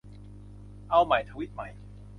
เอาใหม่ ทวีตใหม่